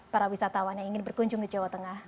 para wisatawan yang ingin berkunjung ke jawa tengah